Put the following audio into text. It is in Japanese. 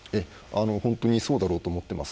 本当にそうだろうと思っています。